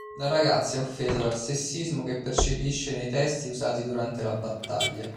La ragazza è offesa dal sessismo che percepisce nei testi usati durante la battaglia.